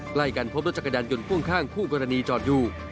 ใกล้กันพบรถจักรยานยนต์พ่วงข้างคู่กรณีจอดอยู่